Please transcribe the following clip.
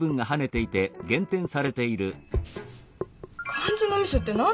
漢字のミスって何でよ！